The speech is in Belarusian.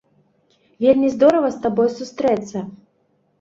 Вельмі здорава з табой сустрэцца.